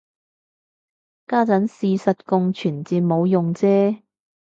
家陣事實共存至冇用啫